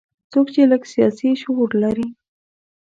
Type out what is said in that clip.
څوک چې لږ سیاسي شعور لري.